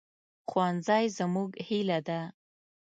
ښوونځی زموږ هیله ده